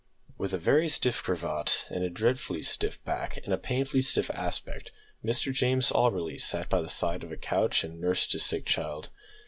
With a very stiff cravat, and a dreadfully stiff back, and a painfully stiff aspect, Mr James Auberly sat by the side of a couch and nursed his sick child.